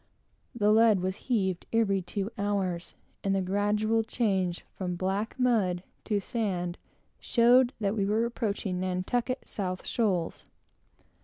The lead was heaved every two hours, and the gradual change from black mud to sand, showed that we were approaching Nantucket South Shoals.